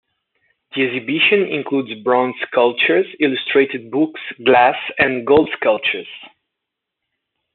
The exhibition includes bronze sculptures, illustrated books, glass and gold sculptures.